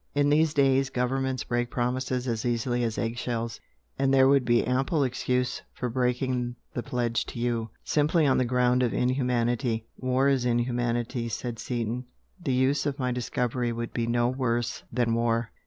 In these days governments break promises as easily as eggshells. And there would be ample excuse for breaking the pledge to you simply on the ground of inhumanity." "War is inhumanity" said Seaton "The use of my discovery would be no worse than war."